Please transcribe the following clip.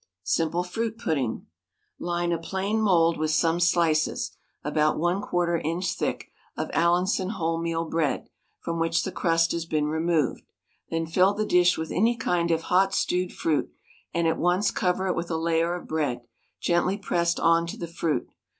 SIMPLE FRUIT PUDDING. Line a plain mould with some slices (about 1/4 inch thick) of Allinson wholemeal bread, from which the crust has been removed. Then fill the dish with any kind of hot stewed fruit, and at once cover it with a layer of bread, gently pressed on to the fruit.